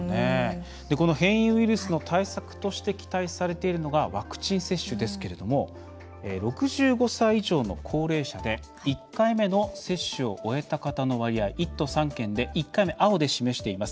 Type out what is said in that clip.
変異ウイルスの対策として期待されているのがワクチン接種ですけれども６５歳以上の高齢者で１回目の接種を終えた方の割合、１都３県で１回目、青で示しています。